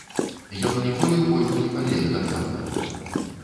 Ён ніколі ў бойку не палезе дакладна.